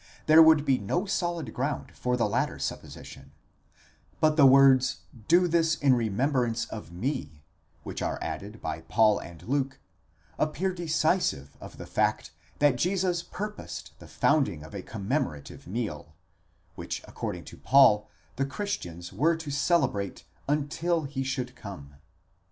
— there would be no solid ground for the latter supposition; but the words, Do this in rememberance of me, which are added by Paul and Luke, appear deci sive of the fact that Jesus purposed the founding of a commemorative meal, which, according to Paul, the Christians were to celebrate, until he should come, ἄχρις οὗ ἂν ἔλθῃ.